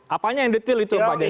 apanya yang detail itu pak jaya